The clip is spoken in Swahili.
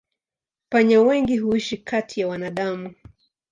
Panya wengi huishi kati ya wanadamu.